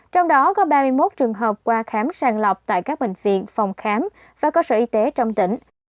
trong đó có ba mươi một trường hợp qua khám sàng lọc tại các bệnh viện phòng khám và cơ sở y tế trong tỉnh